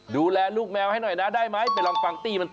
ดูแลลูกแมวให้หน่อยนะได้ไหม